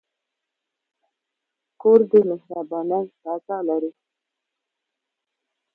کور د مهربانۍ فضاء لري.